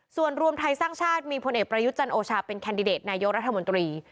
ส่วนรวมไทยสร้างชาติมีพลเอกประยุทธ์จันโอชาเป็นแคนดิเดตนายกรัฐมนตรี